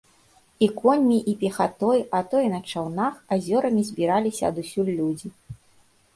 І коньмі, і пехатой, а то і на чаўнах азёрамі збіраліся адусюль людзі.